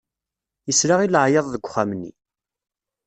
Yesla i leɛyaḍ deg uxxam-nni.